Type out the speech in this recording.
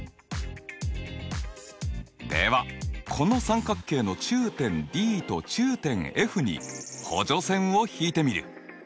ではこの三角形の中点Ｄと中点Ｆに補助線を引いてみる。